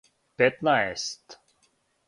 петнаест